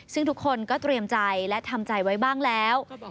ซึ่งทุกคนก็เตรียมใจและทำใจไว้บ้างแล้ว